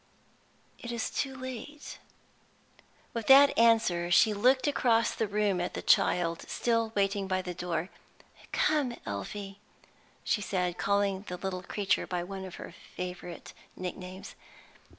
"It is too late." With that answer, she looked across the room at the child, still waiting by the door. "Come, Elfie," she said, calling the little creature by one of her favorite nicknames.